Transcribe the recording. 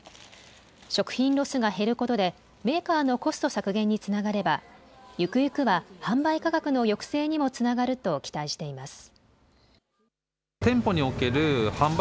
食品ロスが減ることでメーカーのコスト削減につながればゆくゆくは販売価格の抑制にもつながると期待しています。